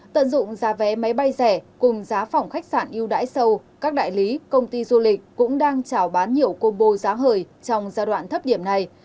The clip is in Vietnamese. tận dụng giá vé máy bay rẻ cùng giá phòng khách sạn yêu đãi sâu các đại lý công ty du lịch cũng đang trào bán nhiều combo giá hời trong giai đoạn thấp điểm này